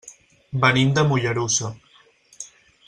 Venim de Mollerussa.